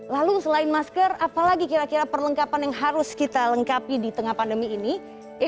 lalu selain masker apalagi kira kira perlengkapan yang harus kita lengkapi di tengah pandemi ini